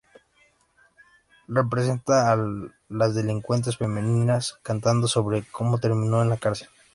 Presenta a las delincuentes femeninas cantando sobre cómo terminaron en la cárcel.